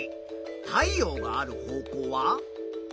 太陽がある方向は？